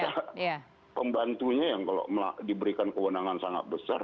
ya pembantunya yang kalau diberikan kewenangan sangat besar